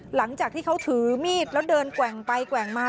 หลังจากที่เขาถือมีดแล้วเดินแกว่งไปแกว่งมา